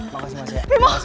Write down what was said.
makasih mas ya